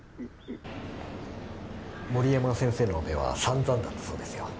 森山先生のオペは散々だったそうですよ。